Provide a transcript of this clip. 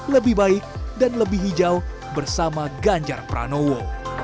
lebih baik dan lebih hijau bersama ganjar pranowo